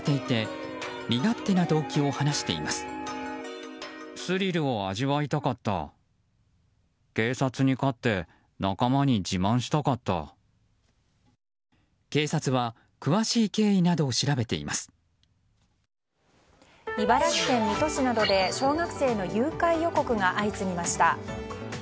茨城県水戸市などで小学生の誘拐予告が相次ぎました。